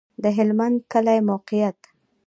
د هلمند کلی موقعیت